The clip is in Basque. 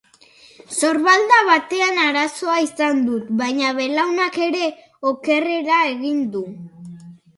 Sorbalda batean arazoa izan dut, baina belaunak ere okerrera egin du.